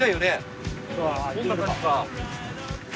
どんな感じか。